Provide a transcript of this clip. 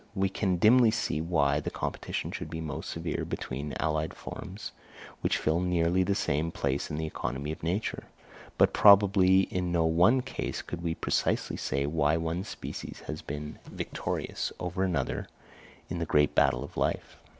We can dimly see why the competition should be most severe between allied forms, which fill nearly the same place in the economy of nature; but probably in no one case could we precisely say why one species has been victorious over another in the great battle of life.